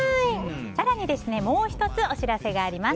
更にもう１つお知らせがあります。